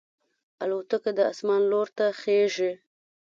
الوتکه د اسمان لور ته خېژي.